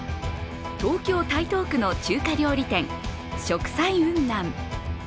東京・台東区の中華料理店食彩雲南。